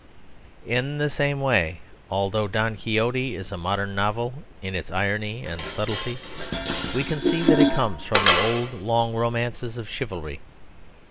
In the same way, although Don Quixote is a modern novel in its irony and subtlety, we can see that it comes from the old long romances of chivalry.